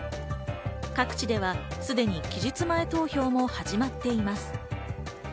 各地ではすでに期日前投票も始まっています。